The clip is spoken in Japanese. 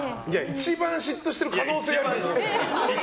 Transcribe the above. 一番嫉妬してる可能性あるよ。